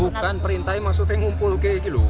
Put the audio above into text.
bukan perintah maksudnya mengumpulkan